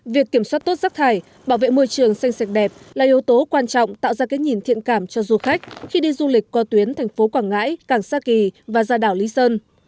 việc kiểm soát tốt rắc thải bảo vệ môi trường xanh sạch đẹp là yếu tố quan trọng tạo ra cái nhìn thiện cảm cho du khách khi đi du lịch qua tuyến thành phố quảng ngãi cảng sa kỳ và ra đảo lý sơn